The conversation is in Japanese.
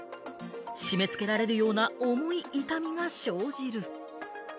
締め付けられるような重い痛みが生じる。